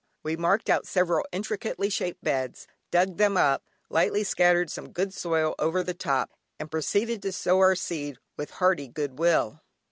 We marked out several intricately shaped beds, dug them up, lightly scattered some good soil over the top, and proceeded to sow our seed with hearty good will.